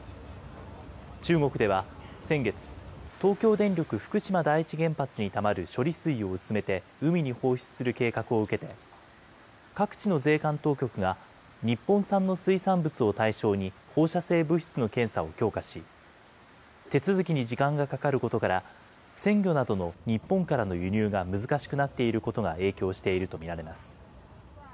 中国では先月、東京電力福島第一原発にたまる処理水を薄めて海に放出する計画を受けて、各地の税関当局が日本産の水産物を対象に放射性物質の検査を強化し、手続きに時間がかかることから、鮮魚などの日本からの輸入が難しくなっていることが影響していると見られます。